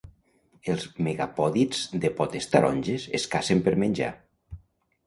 Els megapòdids de potes taronges es cacen per menjar.